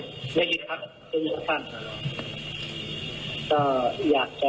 ได้ยินครับได้ยินครับท่าน